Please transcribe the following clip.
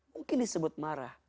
mungkin disebut marah